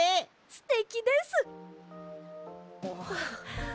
すてきです！